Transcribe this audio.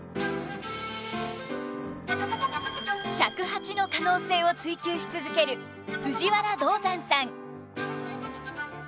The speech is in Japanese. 尺八の可能性を追求し続ける藤原道山さん。